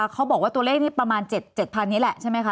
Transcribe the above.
เขาบอกว่าตัวเลขที่ประมาณ๗๐๐นี้แหละใช่ไหมคะ